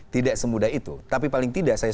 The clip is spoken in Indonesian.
tidak semudah itu tapi paling tidak saya